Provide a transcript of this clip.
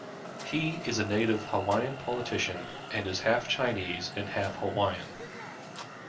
Hee is a Native Hawaiian politician, and is half Chinese and half Hawaiian.